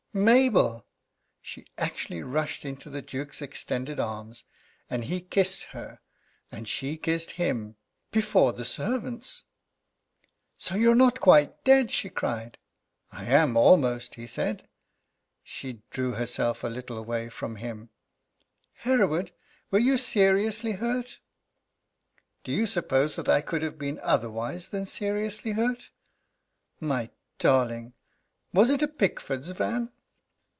"Mabel!" She actually rushed into the Duke's extended arms. And he kissed her, and she kissed him before the servants. "So you're not quite dead?" she cried. "I am almost," he said. She drew herself a little away from him. "Hereward, were you seriously hurt?" "Do you suppose that I could have been otherwise than seriously hurt?" "My darling! Was it a Pickford's van?"